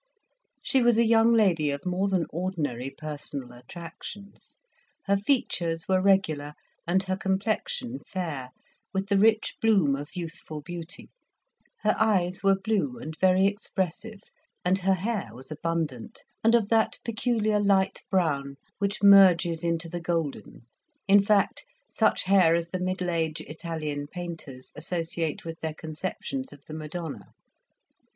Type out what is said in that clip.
She was a young lady of more than ordinary personal attractions; her features were regular, and her complexion fair, with the rich bloom of youthful beauty; her eyes were blue and very expressive, and her hair was abundant, and of that peculiar light brown which merges into the golden: in fact, such hair as the Middle Age Italian painters associate with their conceptions of the Madonna.